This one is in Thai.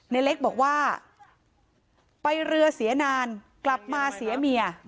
ในเล็กบอกว่าไปเรือเสียนานกลับมาเสียเมีย